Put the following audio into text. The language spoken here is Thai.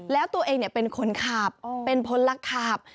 แล้วตัวเองเป็นคนขับเป็นพลขับ